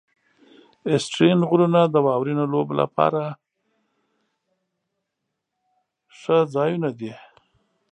آسټرین غرونه د واورینو لوبو لپاره ښه ځایونه دي.